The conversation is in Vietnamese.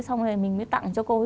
xong rồi mình mới tặng cho cô ấy